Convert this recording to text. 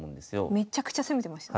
めちゃくちゃ攻めてましたね。